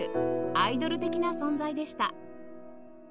アイドル的な存在でした